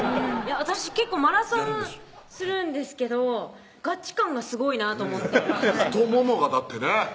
私結構マラソンするんですけどガチ感がすごいなと思って太ももがだってね